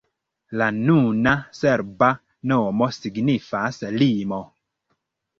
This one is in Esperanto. La nuna serba nomo signifas: limo.